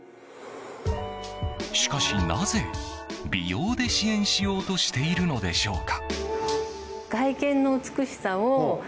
しかし、なぜ美容で支援しようとしているのでしょうか。